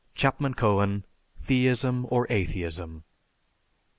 (_Chapman Cohen: "Theism or Atheism."